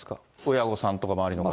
親御さんとか周りの方。